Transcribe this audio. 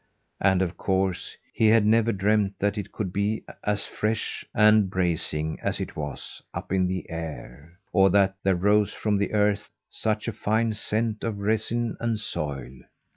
And, of course, he had never dreamed that it could be as fresh and bracing as it was, up in the air; or that there rose from the earth such a fine scent of resin and soil.